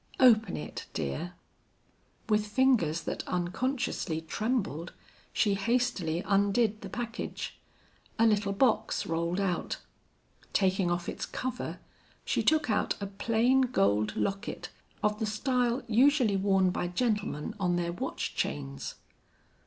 "Open it, dear." With fingers that unconsciously trembled, she hastily undid the package. A little box rolled out. Taking off its cover, she took out a plain gold locket of the style usually worn by gentlemen on their watch chains.